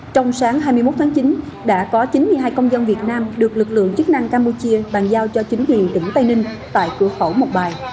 trong sáng hai mươi một tháng chín đã có chín mươi hai công dân việt nam được lực lượng chức năng campuchia bàn giao cho chính quyền tỉnh tây ninh tại cửa khẩu mộc bài